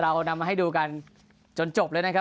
เรานำมาให้ดูกันจนจบเลยนะครับ